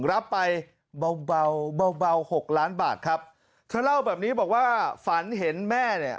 รับไปเบาเบาหกล้านบาทครับเธอเล่าแบบนี้บอกว่าฝันเห็นแม่เนี่ย